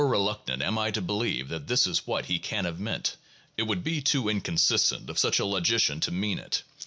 reluctant am I to believe that this is what he can have meant. It would be too inconsistent of such a logician to mean it.